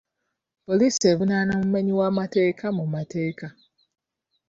Poliisi evunaana omumenyi w'amateeka mu mateeka.